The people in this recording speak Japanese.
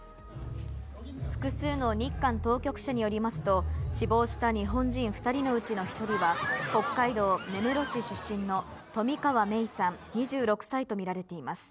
複数の日韓当局者によりますと、死亡した日本人２人のうちの１人は、北海道根室市出身の冨川芽生さん２６歳と見られています。